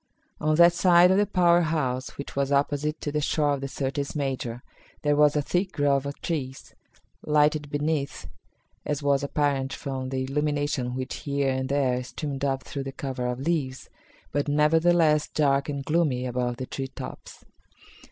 On that side of the power house which was opposite to the shore of the Syrtis Major there was a thick grove of trees, lighted beneath, as was apparent from the illumination which here and there streamed up through the cover of leaves, but, nevertheless, dark and gloomy above the tree tops.